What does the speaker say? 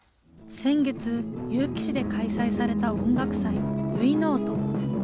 先月、結城市で開催された音楽祭、結いのおと。